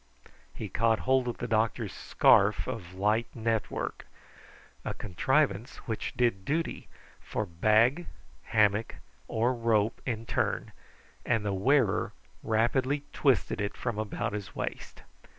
He caught hold of the doctor's scarf of light network, a contrivance which did duty for bag, hammock, or rope in turn, and the wearer rapidly twisted it from about his waist.